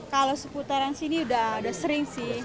kalau seputaran sini udah sering sih